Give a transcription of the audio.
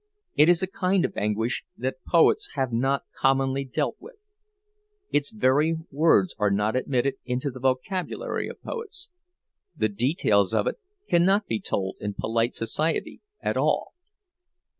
It is a kind of anguish that poets have not commonly dealt with; its very words are not admitted into the vocabulary of poets—the details of it cannot be told in polite society at all.